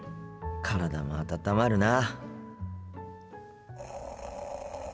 体も温まるな。